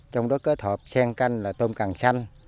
trong đó kết hợp sen canh là tôm càng xanh